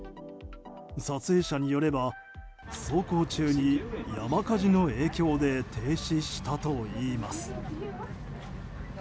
撮影者によれば走行中に山火事の影響で停止したといいます。